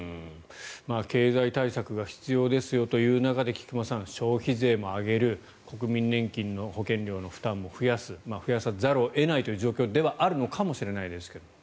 経済対策が必要ですよという中で菊間さん、消費税も上げる国民年金の保険料の負担も増やす増やさざるを得ないという状況ではあるのかもしれません。